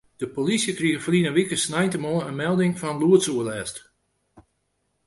De polysje krige ferline wike sneintemoarn in melding fan lûdsoerlêst.